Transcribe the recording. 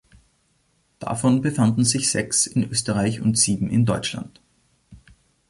Davon befanden sich sechs in Österreich und sieben in Deutschland.